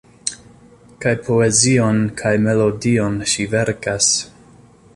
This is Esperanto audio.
Kaj poezion kaj melodion ŝi verkas.